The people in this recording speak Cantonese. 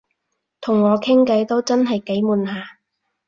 同我傾偈都真係幾悶下